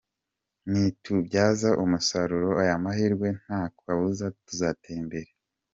Nitubyaza umusaruro aya mahirwe nta kabuza tuzatera imbere.